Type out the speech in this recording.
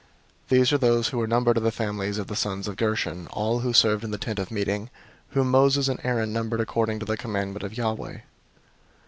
004:041 These are those who were numbered of the families of the sons of Gershon, all who served in the Tent of Meeting, whom Moses and Aaron numbered according to the commandment of Yahweh.